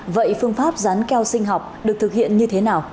vậy phương pháp rán keo sinh học được thực hiện như thế nào